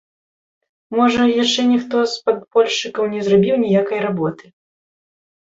Можа, яшчэ ніхто з падпольшчыкаў не зрабіў ніякай работы.